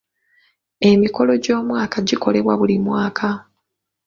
Emikolo gy'omwaka gikolebwa buli mwaka.